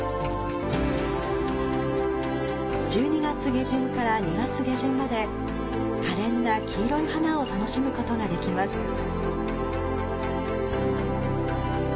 １２月下旬から２月下旬まで、可憐な黄色い花を楽しむことができます。